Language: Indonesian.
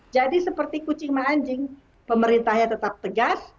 jadi seperti kucing manjing pemerintahnya tetap tegas